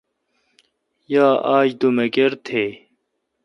یا آج دومکر تھے°۔